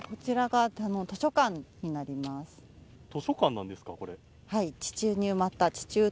図書館なんですか、これ。